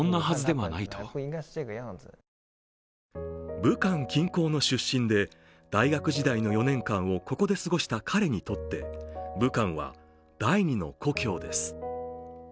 武漢近郊の出身で大学時代の４年間をここで過ごした彼にとって武漢は第２の故郷です。